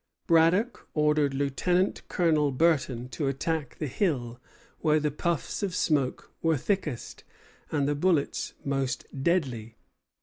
Braddock ordered Lieutenant Colonel Burton to attack the hill where the puffs of smoke were thickest, and the bullets most deadly.